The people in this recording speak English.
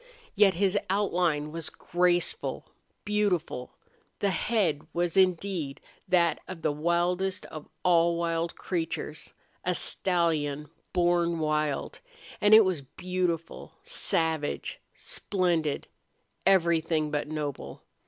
Yet his outline was graceful, beautiful. The head was indeed that of the wildest of all wild creatures a stallion born wild and it was beautiful, savage, splendid, everything but noble.